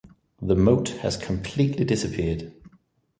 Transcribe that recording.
The moat has completely disappeared.